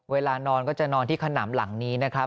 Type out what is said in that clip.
เวลานอนก็จะนอนที่ขนำหลังนี้นะครับ